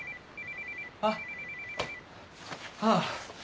あっあぁ。